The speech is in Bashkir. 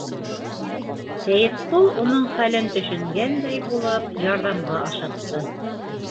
Сәйетҡол уның хәлен төшөнгәндәй булып ярҙамға ашыҡты.